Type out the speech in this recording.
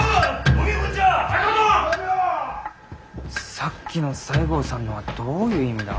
さっきの西郷さんのはどういう意味だ？